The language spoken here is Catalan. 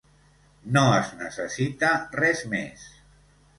No es necessita res més.